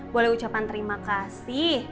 boleh ucapan terima kasih